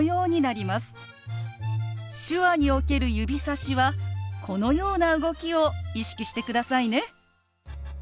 手話における指さしはこのような動きを意識してくださいね。